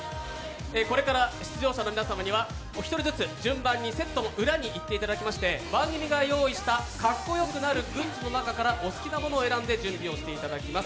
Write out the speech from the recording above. これから出場者の皆様にはお一人ずつセットの裏に行っていただきまして、番組が用意したかっこよくなるグッズの中からお好きなものを選んで準備をしてもらいます。